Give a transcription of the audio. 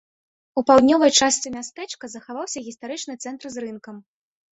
У паўднёвай частцы мястэчка захаваўся гістарычны цэнтр з рынкам.